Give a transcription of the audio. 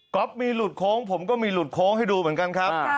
มีหลุดโค้งผมก็มีหลุดโค้งให้ดูเหมือนกันครับ